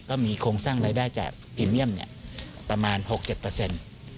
ก็มีโครงสร้างรายได้จากพรีเมียมเนี่ยประมาณ๖๗เปอร์เซ็นต์